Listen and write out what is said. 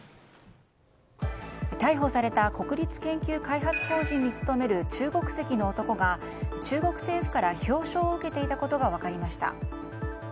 逮捕された国立研究開発法人に勤める中国籍の男が、中国政府から表彰を受けていたことが分かりました。